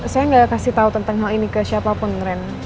saya gak kasih tau tentang hal ini ke siapa pun ren